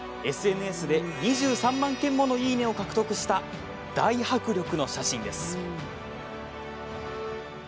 ＳＮＳで２３万件ものいいね！を獲得した大迫力の写真です。